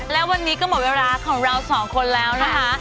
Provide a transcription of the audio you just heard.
และวันนี้ก็หมดเวลาของเราสองคนแล้วนะคะ